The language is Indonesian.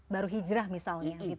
baru hijrah misalnya